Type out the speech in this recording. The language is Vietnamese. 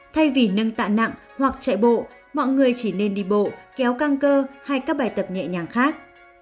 thay vì nâng tạ nặng hoặc chạy bộ mọi người chỉ nên đi bộ kéo căng cơ hay các bài tập nhẹ nhàng khác